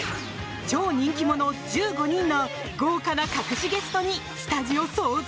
超人気者１５人の豪華な隠しゲストにスタジオ騒然！